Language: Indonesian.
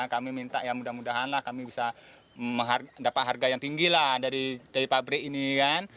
kami minta ya mudah mudahan lah kami bisa dapat harga yang tinggi lah dari pabrik ini kan